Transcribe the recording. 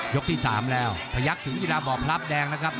ยกที่๓แล้วพยักษุอิทธิ์ภาพแดงนะครับ